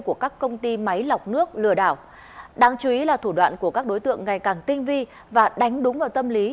của các công ty máy lọc nước lừa đảo đáng chú ý là thủ đoạn của các đối tượng ngày càng tinh vi và đánh đúng vào tâm lý